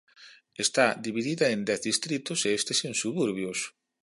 Está dividida en dez distritos e estes en suburbios.